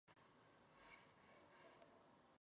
Las ramas son delgadas, con vellos blancuzcos.